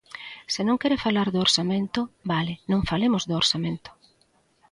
Se non quere falar do orzamento, vale, non falemos do orzamento.